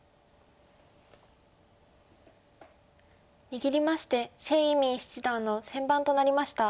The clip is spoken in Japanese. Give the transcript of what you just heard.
握りまして謝依旻七段の先番となりました。